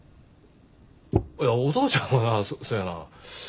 いやお父ちゃんはなそやな。